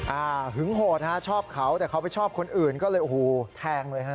หึงโหดฮะชอบเขาแต่เขาไปชอบคนอื่นก็เลยโอ้โหแทงเลยฮะ